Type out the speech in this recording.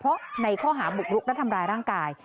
เพราะในข้อหาบุกรุกและทำร้ายร่างกาย